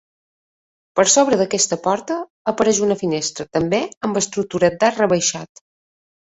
Per sobre d'aquesta porta, apareix una finestra, també, amb estructura d'arc rebaixat.